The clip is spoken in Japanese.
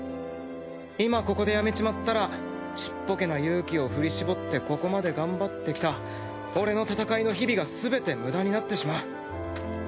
今ここでやめちまったらちっぽけな勇気をふり絞ってここまで頑張ってきた俺の戦いの日々がすべてムダになってしまう。